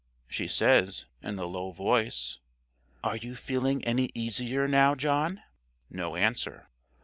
She says, in a low voice: "Are you feeling any easier now, John?" No answer.